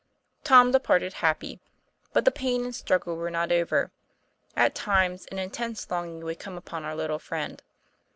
Tom departed happy. But the pain and struggle were not over. At times an intense longing would come upon our little friend.